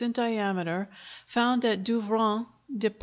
in diameter, found at Douvrend, dept.